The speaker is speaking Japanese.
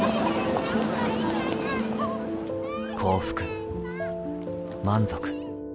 幸福、満足。